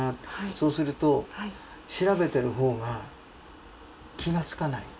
そうすると調べてる方が気が付かない。